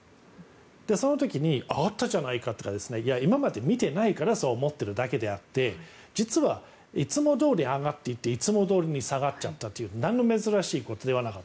その時に上がったじゃないかとかそれは今まで見てないからそう思ってるだけであって実は、いつもどおり上がっていっていつもどおりに下がっちゃったというなんの珍しいことでもなかった。